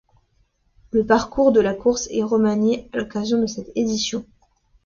Le parcours de la course est remanié à l'occasion de cette édition.